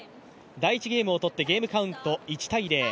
第１ゲームを取ってゲームカウント１−０。